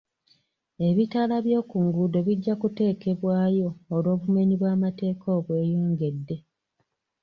Ebitaala by'oku nguudo bijja kuteekebwayo olw'obumenyi bw'amateeka obweyongedde.